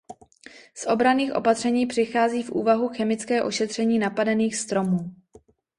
Z obranných opatření přichází v úvahu chemické ošetření napadených stromů.